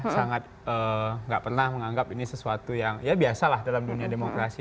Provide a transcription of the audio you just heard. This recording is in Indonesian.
sangat gak pernah menganggap ini sesuatu yang ya biasa lah dalam dunia demokrasi